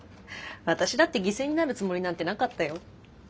私だって犠牲になるつもりなんてなかったよ。